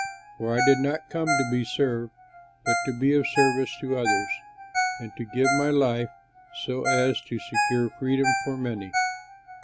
For I did not come to be served but to be of service to others, and to give my life so as to secure freedom for many."